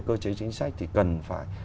cơ chế chính sách thì cần phải